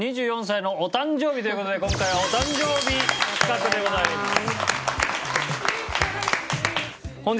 ２４歳のお誕生日という事で今回はお誕生日企画でございます。